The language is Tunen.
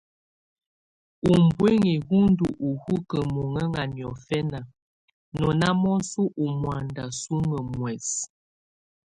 Ubuinyi wù ndù hukǝ mɔŋɛŋa niɔ́fɛna, nɔ na mɔsɔ ù mɔanda suŋǝ muɛs.